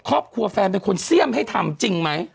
ครอบครัวแฟนเป็นคนเสี้ยมให้ทำจริงไหม